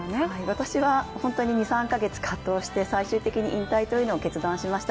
私は本当に２３か月葛藤して、最終的に引退というのを決断しました。